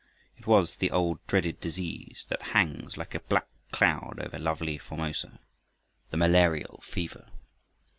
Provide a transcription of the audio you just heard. It was the old dreaded disease that hangs like a black cloud over lovely Formosa, the malarial fever.